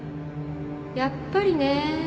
やっぱりねえ